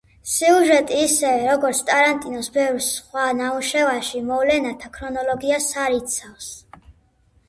სიუჟეტი, ისევე, როგორც ტარანტინოს ბევრ სხვა ნამუშევარში, მოვლენათა ქრონოლოგიას არ იცავს.